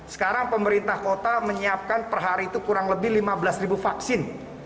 sekarang pemerintah kota menyiapkan per hari itu kurang lebih lima belas ribu vaksin